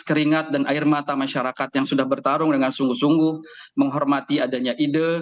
keringat dan air mata masyarakat yang sudah bertarung dengan sungguh sungguh menghormati adanya ide